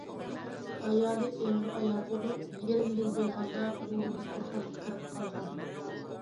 ئايالى ئېغىر ئاياغ بولۇپ يېرىم يىل بولغاندا، ئۇ دوختۇرخانىغا كىرىپ قالغان.